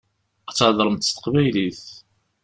Ad theḍṛemt s teqbaylit.